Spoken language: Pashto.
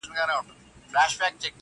په یوه لیدو په زړه باندي خوږ من سو٫